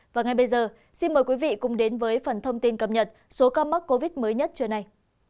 và ngay bây giờ xin mời quý vị cùng đến với phần thông tin cập nhật số ca mắc covid mới nhất trưa nay